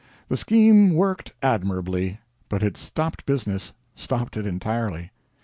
The scheme worked admirably; but it stopped business, stopped it entirely.